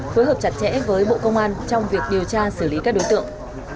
phối hợp chặt chẽ với bộ công an trong việc điều tra xử lý các đối tượng